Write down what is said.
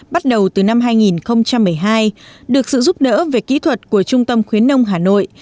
bắt đầu từ năm hai nghìn một mươi hai được sự giúp đỡ về kỹ thuật của trung tâm khuyến nông hà nội